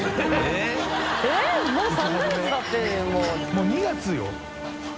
もう２月よ？